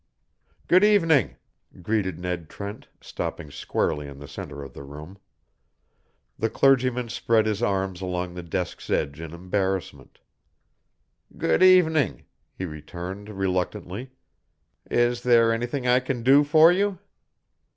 "Good evening," greeted Ned Trent, stopping squarely in the centre of the room. The clergyman spread his arms along the desk's edge in embarrassment. "Good evening," he returned, reluctantly. "Is there anything I can do for you?"